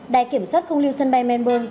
đài kiểm soát không lưu sân bay melbourne